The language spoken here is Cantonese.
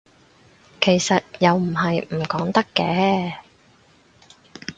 其實又唔係唔講得嘅